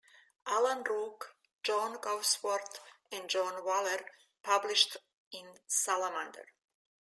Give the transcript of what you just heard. Alan Rook, John Gawsworth and John Waller published in "Salamander".